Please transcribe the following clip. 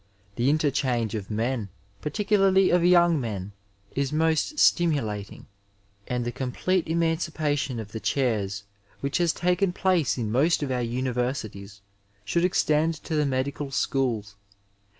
The intar^ change of men, particularly of young men, is most stim ulating, and the complete emancipation of the chairs which has taken place in most of our univeisities should ezt^d to the medical schools.